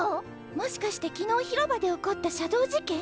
もしかして昨日広場で起こったシャドウ事件？